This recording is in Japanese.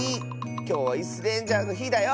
きょうは「イスレンジャー」のひだよ！